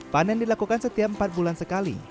panen dilakukan setiap empat bulan sekali